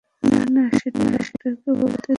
না, না, সেটা ডাক্তারকে বলতে দিন।